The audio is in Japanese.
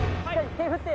手振って！